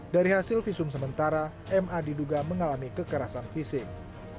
dari hasil visum sementara ma diduga mengalami kekerasan fisik